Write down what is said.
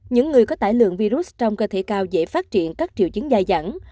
những người có tải lượng virus trong cơ thể cao dễ phát triển các triệu chứng dai dẳng